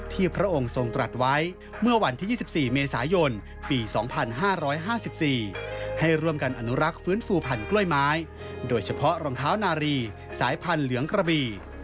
พระองค์ทรงตรัสไว้เมื่อวันที่๒๔เมษายนปี๒๕๕๔ให้ร่วมกันอนุรักษ์ฟื้นฟูพันกล้วยไม้โดยเฉพาะรองเท้านารีสายพันธุ์เหลืองกระบี่